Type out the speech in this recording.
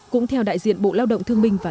cũng theo đại diện bộ lao động